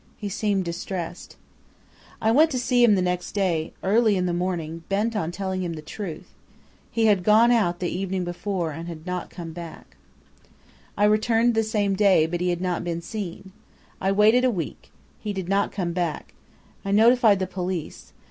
He seemed distressed. "I went to see him the next day, early in the morning, bent on telling him the truth. He had gone out the evening before and had not come back. "I returned the same day, but he had not been seen. I waited a week. He did not come back. I notified the police.